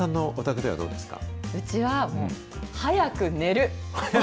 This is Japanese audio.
うちはもう早く寝る。